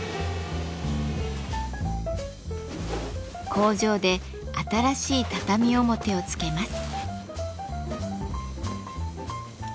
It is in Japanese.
工場で新しい畳表を付けます。